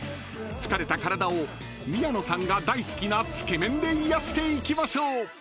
［疲れた体を宮野さんが大好きなつけ麺で癒やしていきましょう］